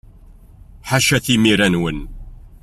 Ḥaca timira-nwen!